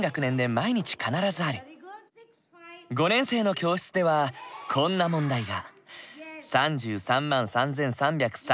５年生の教室ではこんな問題が。